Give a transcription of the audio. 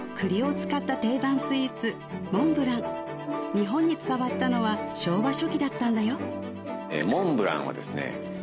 日本に伝わったのは昭和初期だったんだよ